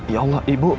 ya allah ibu